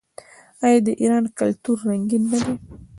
آیا د ایران کلتور رنګین نه دی؟